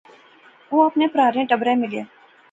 او اپنے پرھاریں ٹبریں ملیا